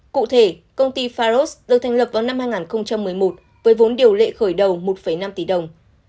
cụ thể công ty faros được thành lập vào năm hai nghìn một mươi một với vốn điều lệ khởi đầu một năm tỷ đồng